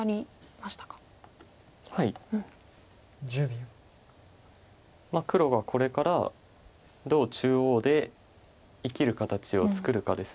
まあ黒がこれからどう中央で生きる形を作るかです。